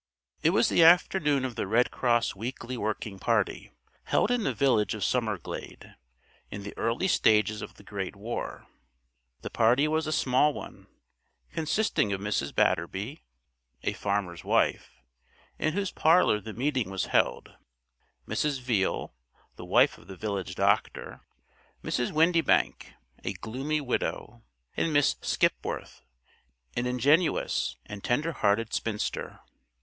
It was the afternoon of the Red Cross weekly working party, held in the village of Summerglade, in the early stages of the Great War. The party was a small one, consisting of Mrs. Batterby, a farmer's wife, in whose parlour the meeting was held; Mrs. Veale, the wife of the village doctor; Mrs. Windybank, a gloomy widow; and Miss Skipworth, an ingenuous and tender hearted spinster.